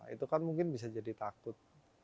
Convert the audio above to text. itu kan mungkin bisa jadi takut